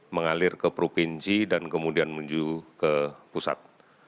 mengalir ke provinsi dan kemudian menuju ke pusat